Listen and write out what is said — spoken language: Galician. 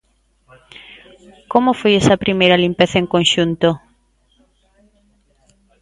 Como foi esa primeira limpeza en conxunto?